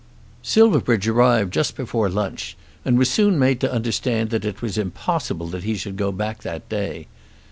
Silverbridge arrived just before lunch, and was soon made to understand that it was impossible that he should go back that day.